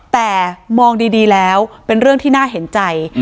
แต่มองดีแล้วเป็นเรื่องที่น่าเห็นใจ